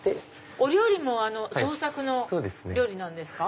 お料理も創作の料理なんですか？